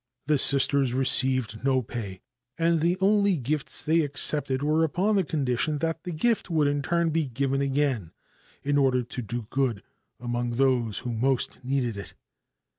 The Sisters received no pay, and the only gifts they accepted were upon the condition that the gift would in turn be given again, in order to do good among those who most needed it.